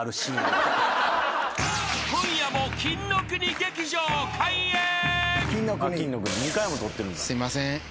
［今夜も金の国劇場開演］